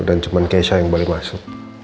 dan cuma keisha yang boleh masuk